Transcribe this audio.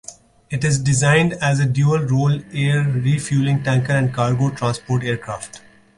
It is designed as a dual-role air refueling tanker and cargo transport aircraft.